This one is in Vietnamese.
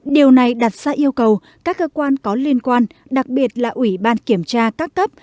điều này đặt ra yêu cầu các cơ quan có liên quan đặc biệt là ủy ban kiểm tra các cấp